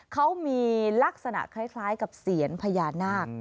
เขามีลักษณะคล้ายกับเสียญพญานาค